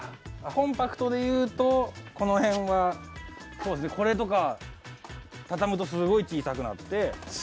コンパクトでいうとこのへんはこれとか畳むとすごく小さくなって。